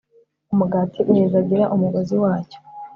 Umugati uhezagira umugozi wacyo